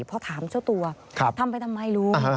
พอถามเจ้าตัวทำไปทำไมลุง